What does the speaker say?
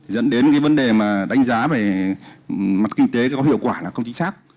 dẫn đến vấn đề đánh giá về mặt kinh tế có hiệu quả là không chính xác